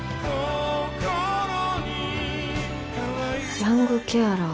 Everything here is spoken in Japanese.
ヤングケアラー。